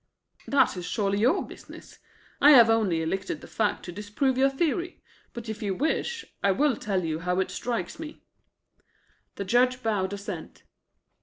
"That is surely your business. I have only elicited the fact to disprove your theory. But if you wish, I will tell you how it strikes me." The Judge bowed assent.